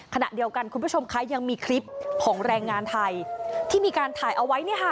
ขณะเดียวกันคุณผู้ชมคะยังมีคลิปของแรงงานไทยที่มีการถ่ายเอาไว้เนี่ยค่ะ